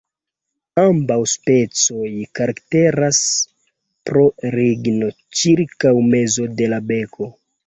Ambaŭ specioj karakteras pro ringo cirkaŭ mezo de la beko.